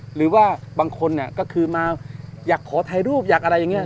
หรือว่าบางคนก็คือมาอยากขอถ่ายรูปอยากอะไรอย่างนี้